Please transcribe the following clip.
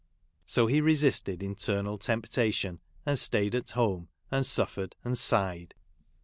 So he resisted internal ' temp tation, and staid at home, and suffered and sighed.